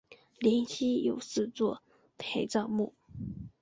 灵犀有四座陪葬墓。